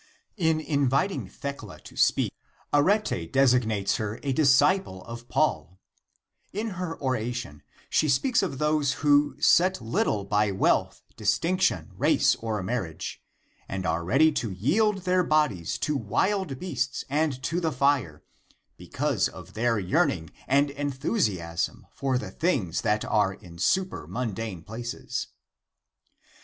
In inviting Thecla to speak, Arete designates her a disciple of Paul : in her oration she speaks of those who " set little by wealth, distinction, race or marriage, and are ready to yield their bodies to wild beasts and to the fire, because of their yearning and enthusiasm for the things that are in supermundane places."